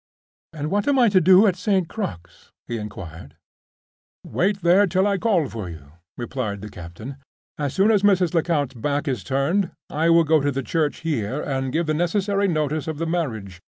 "And what am I to do at St. Crux?" he inquired. "Wait there till I call for you," replied the captain. "As soon as Mrs. Lecount's back is turned, I will go to the church here and give the necessary notice of the marriage.